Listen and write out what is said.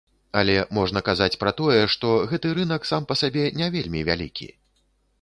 Але можна казаць пра тое, што гэты рынак сам па сабе не вельмі вялікі.